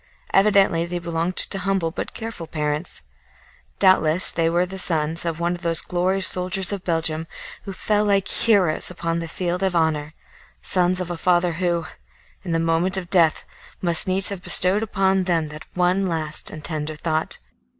Evidently they belonged to humble but careful parents. Doubtless they were the sons of one of those glorious soldiers of Belgium who fell like heroes upon the field of honour sons of a father who, in the moment of death, must needs have bestowed upon them one last and tender thought.